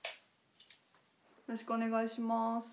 よろしくお願いします。